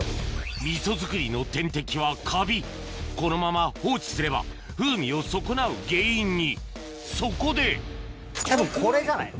味噌づくりの天敵はカビこのまま放置すれば風味を損なう原因にそこでたぶんこれじゃない？